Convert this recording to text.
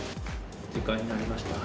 時間になりました。